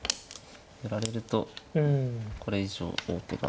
寄られるとこれ以上王手が。